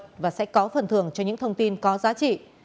hãy có phần thưởng cho những thông tin có giá trị